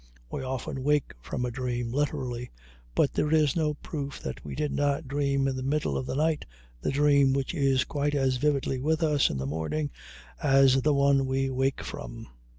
We often wake from a dream, literally, but there is no proof that we did not dream in the middle of the night the dream which is quite as vividly with us in the morning as the one we wake from.